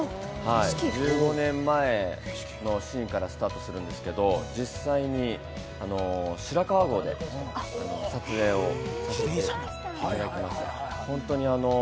１５年前のシーンからスタートするんですけど実際に白川郷で撮影をさせていただきました。